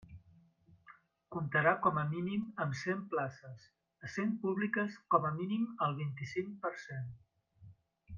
Comptarà com a mínim amb cent places, essent públiques com a mínim el vint-i-cinc per cent.